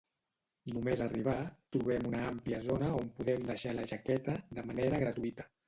Només arribar, trobem una àmplia zona on podem deixar la jaqueta, de manera gratuïta.